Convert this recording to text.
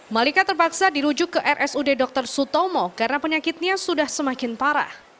malika terpaksa dirujuk ke rsud dr sutomo karena penyakitnya sudah semakin parah